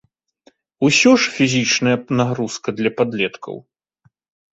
Усё ж фізічная нагрузка для падлеткаў.